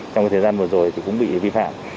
trong thời gian vừa rồi cũng bị vi phạm